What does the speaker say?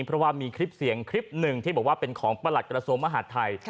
เพราะว่ามีคลิปเสียงคลิปหนึ่งที่บอกว่าเป็นของประหลัดกระทรวงมหาดไทย